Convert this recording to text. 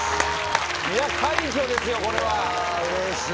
いや、快挙ですよ、これは。